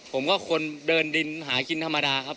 คนก็คนเดินดินหากินธรรมดาครับ